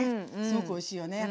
すごくおいしいよね。